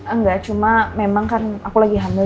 enggak cuma memang kan aku lagi hamil